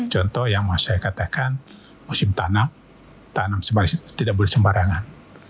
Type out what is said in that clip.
contoh yang mau saya katakan musim tanam tanam sembari tidak boleh sembarangan